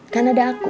kan ada aku